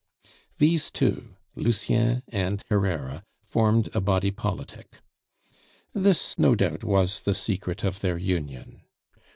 These two, Lucien and Herrera, formed a body politic. This, no doubt, was the secret of their union.